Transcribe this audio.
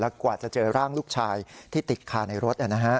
กว่าจะเจอร่างลูกชายที่ติดคาในรถ